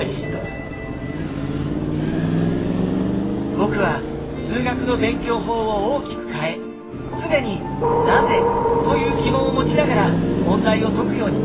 僕は数学の勉強法を大きく変え常に「なぜ？」という疑問を持ちながら問題を解くように心掛けました。